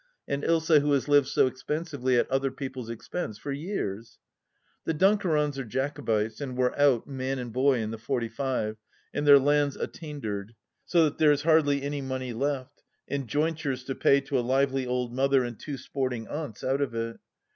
And Ilsa, who has lived so expensively (at other people's expense) for years 1 The Dunkerons are Jacobites, and were out, man and boy, in the Forty Five, and their lands attaindered, so that there is hardly any money left, and jointures to pay to a lively old mother and two sporting aunts out of it.